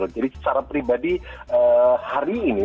jadi secara pribadi hari ini